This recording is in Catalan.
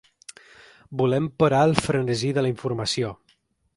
Volem parar el frenesí de la informació.